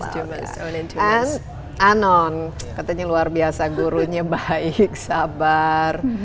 dan anong katanya luar biasa gurunya baik sabar